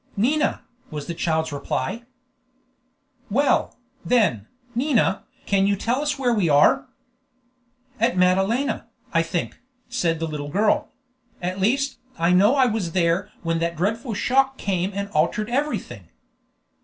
"Nina!" was the child's reply. "Well, then, Nina, can you tell us where we are?" "At Madalena, I think," said the little girl; "at least, I know I was there when that dreadful shock came and altered everything."